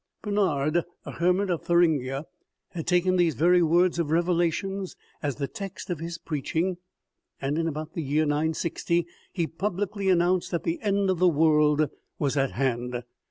Bernard, a hermit of Thuringia, had taken these very words of Revelation as the text of his preaching, and in about the year 960 he publicly announced that the end of the world was at hand.